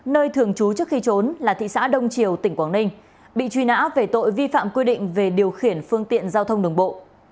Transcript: nơi thường trú trước khi trốn là thị xã đông triều tỉnh quảng ninh bị truy nã về tội vi phạm quy định về điều khiển phương tiện giao thông đường bộ